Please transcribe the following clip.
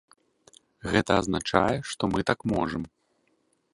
Гэта азначае, што мы так можам.